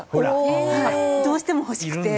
どうしても欲しくて。